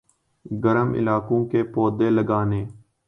گرم علاقوں کے پودے لگانے